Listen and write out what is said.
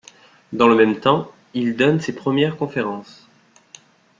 Dans le même temps, il donne ses premières conférences.